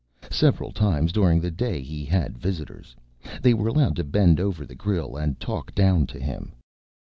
Several times during the day he had visitors. They were allowed to bend over the grille and talk down to him.